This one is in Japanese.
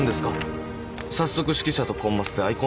早速指揮者とコンマスでアイコンタクトですか？